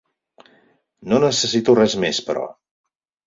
No necessito res més, però.